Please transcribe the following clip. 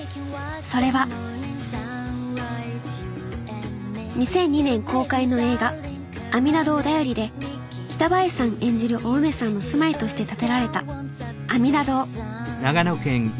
それは２００２年公開の映画「阿弥陀堂だより」で北林さん演じるおうめさんの住まいとして建てられた阿弥陀堂。